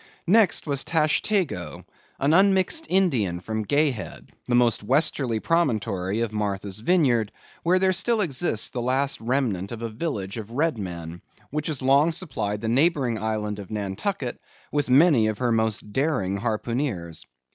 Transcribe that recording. Next was Tashtego, an unmixed Indian from Gay Head, the most westerly promontory of Martha's Vineyard, where there still exists the last remnant of a village of red men, which has long supplied the neighboring island of Nantucket with many of her most daring harpooneers.